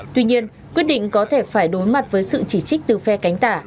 tuy nhiên quyết định có thể phải đối mặt với sự chỉ trích từ phe cánh tả